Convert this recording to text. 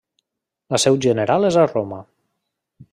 La seu general és a Roma.